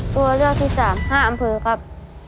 ตัวเลือกที่๓๕อำเภอครับ